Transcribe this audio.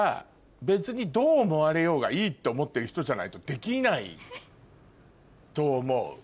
別にどう思われようがいいって思ってる人じゃないとできないと思う。